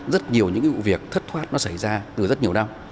rất nhiều những vụ việc thất thoát nó xảy ra từ rất nhiều năm